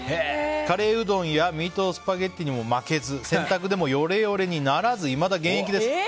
カレーうどんやミートスパゲティにも負けず洗濯でもヨレヨレにならずいまだ現役です。